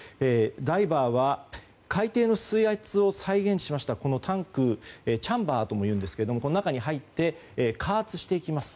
ダイバーは海底の水圧を再現しましたタンクチャンバーともいうんですがこちらの中に入って加圧していきます。